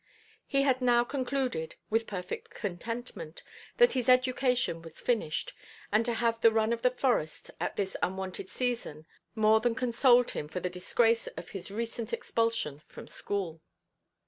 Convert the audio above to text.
He had now concluded, with perfect contentment, that his education was finished; and to have the run of the forest at this unwonted season more than consoled him for the disgrace of his recent expulsion from school.